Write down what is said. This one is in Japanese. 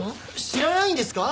知らないんですか！？